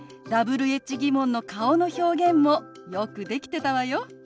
Ｗｈ−疑問の顔の表現もよくできてたわよ。